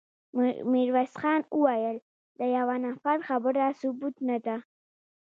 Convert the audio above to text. ميرويس خان وويل: د يوه نفر خبره ثبوت نه ده.